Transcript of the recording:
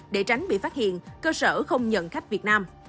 để tránh bị phát hiện cơ sở không nhận khách việt nam